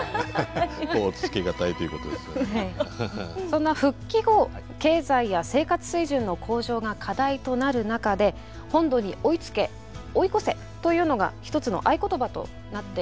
そんな復帰後経済や生活水準の向上が課題となる中で「本土に追いつけ追い越せ」というのが一つの合言葉となっていったんですよね。